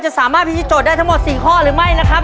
สามารถพิธีโจทย์ได้ทั้งหมด๔ข้อหรือไม่นะครับ